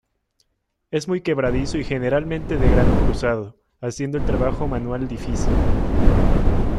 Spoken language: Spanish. Es muy quebradizo y generalmente de grano cruzado, haciendo el trabajo manual difícil.